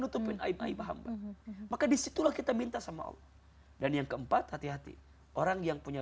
nutupin aib aib hamba maka disitulah kita minta sama allah dan yang keempat hati hati orang yang punya